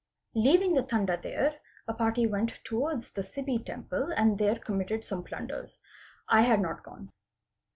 Leaving the Tanda there a party went towards the Sibi temple and there committed some plunders. I had not gone.